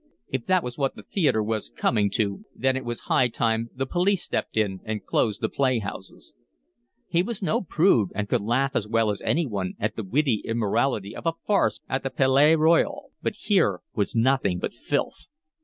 If that was what the theatre was coming to, then it was high time the police stepped in and closed the playhouses. He was no prude and could laugh as well as anyone at the witty immorality of a farce at the Palais Royal, but here was nothing but filth.